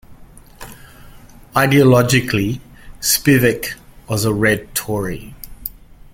Ideologically, Spivak was a Red Tory.